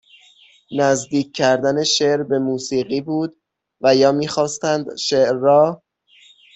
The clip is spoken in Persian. نزدیک کردن شعر به موسیقی بود و یا میخواستند شعر را